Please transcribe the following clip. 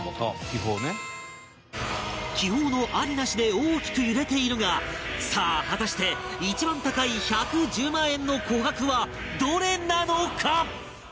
気泡のありなしで大きく揺れているがさあ果たして一番高い１１０万円の琥珀はどれなのか？